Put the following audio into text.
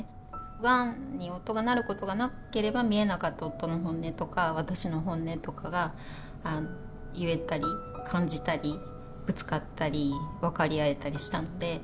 がんに夫がなることがなければ見えなかった夫の本音とか私の本音とかが言えたり感じたりぶつかったり分かり合えたりしたので。